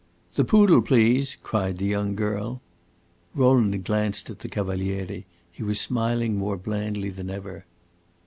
"The poodle, please!" cried the young girl. Rowland glanced at the Cavaliere; he was smiling more blandly than ever.